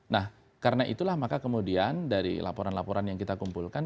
nah karena itulah maka kemudian dari laporan laporan yang kita kumpulkan